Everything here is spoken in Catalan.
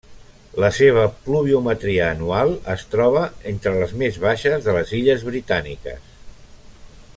La seva pluviometria anual es troba entre les més baixes de les Illes Britàniques.